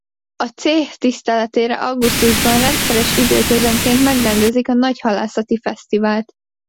A céh tiszteletére augusztusban rendszeres időközönként megrendezik a nagy halászati fesztivált.